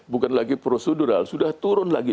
bukan lagi prosedural sudah turun lagi